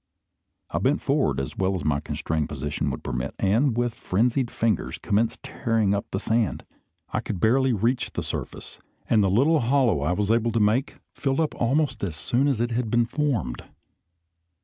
I bent forward as well as my constrained position would permit, and, with frenzied fingers, commenced tearing up the sand. I could barely reach the surface; and the little hollow I was able to make filled up almost as soon as it had been formed.